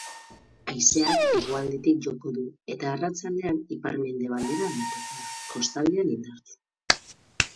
Haizeak hegoaldetik joko du eta arratsaldean ipar-mendebaldera aldatuko da, kostaldean indartsu.